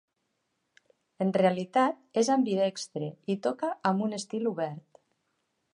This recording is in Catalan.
En realitat, és ambidextre i toca amb un estil obert.